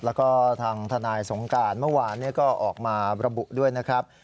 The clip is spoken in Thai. แล้วก็ทางทนายสงการเมื่อวานก็ออกมาระบุด้วยนะครับ